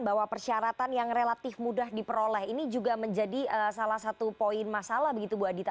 bahwa persyaratan yang relatif mudah diperoleh ini juga menjadi salah satu poin masalah begitu bu adita